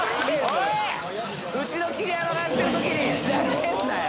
うちの桐山がやってるときにふざけんなよ